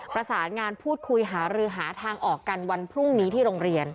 ประสานงานพูดคุยหารือหาทางออกกันวันพรุ่งนี้ที่โรงเรียน